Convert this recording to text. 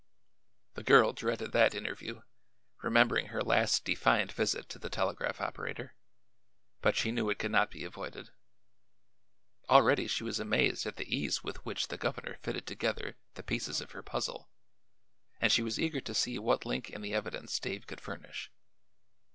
The girl dreaded that interview, remembering her last defiant visit to the telegraph operator; but she knew it could not be avoided. Already she was amazed at the ease with which the governor fitted together the pieces of her puzzle, and she was eager to see what link in the evidence Dave could furnish.